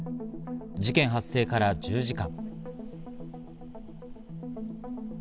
事件発生から１０時間。